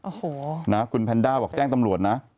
โอ้โหนะคุณแพนด้าบอกแจ้งตำรวจนะ